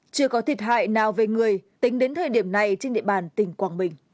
chưa có thiệt hại nào về người tính đến thời điểm này trên địa bàn tỉnh quảng bình